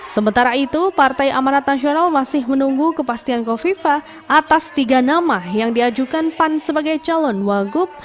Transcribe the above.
sementara itu partai amanat nasional masih menunggu kepastian kofifa atas tiga nama yang diajukan pan sebagai calon wagub